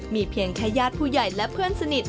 มีเพียงแค่ญาติผู้ใหญ่และเพื่อนสนิท